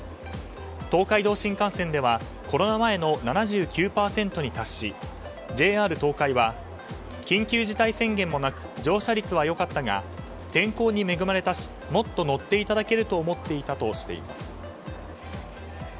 東海道新幹線ではコロナ前の７９％に達しＪＲ東海は緊急事態宣言もなく乗車率は良かったが天候に恵まれたしもっと乗っていただけると思っていたとしています。